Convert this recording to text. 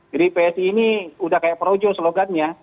jadi psi ini udah kayak projo slogan nya